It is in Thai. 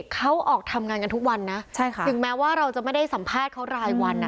เขาออกทำงานกันทุกวันนะถึงแม้ว่าเราจะไม่ได้สัมภาษณ์เขารายวัน